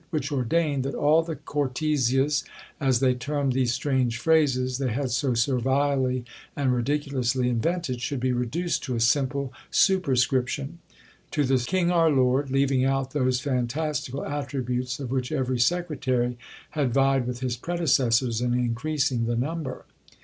which ordained that all the Cortesias, as they termed these strange phrases they had so servilely and ridiculously invented, should be reduced to a simple superscription, "To the king our lord," leaving out those fantastical attributes of which every secretary had vied with his predecessors in increasing the number.